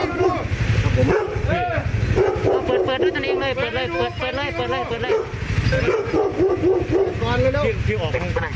เอาหนูกระเป๋าช้างช้างอยู่รึไง